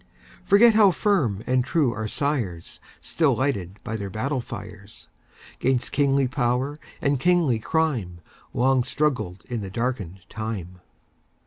Forget how firm and true our sires, Still lighted by their battle fires,'Gainst kingly power and kingly crime, Long struggled in the darkened time?